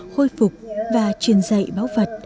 khôi phục và truyền dạy báu vật